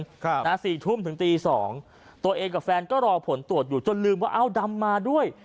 ครับนะสี่ทุ่มถึงตีสองตัวเองกับแฟนก็รอผลตรวจอยู่จนลืมว่าเอ้าดำมาด้วย